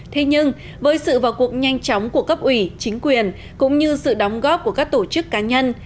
thế nhưng với sự vào cuộc nhanh chóng của cấp ủy chính quyền cũng như sự đóng góp của các tổ chức cá nhân